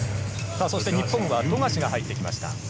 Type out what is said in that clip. さぁ、そして日本は富樫が入ってきました。